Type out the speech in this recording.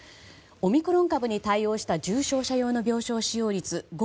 オミクロン株に対応した重症者用の病床使用率５．５％